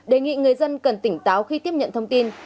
đề nghị người dân cần tỉnh táo khi tiếp nhận thông tin